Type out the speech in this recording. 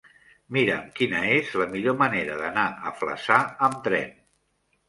Mira'm quina és la millor manera d'anar a Flaçà amb tren.